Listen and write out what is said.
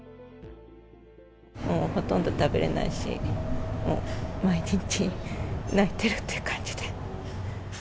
ほとんど食べれないし、毎日泣いてるっていう感じで。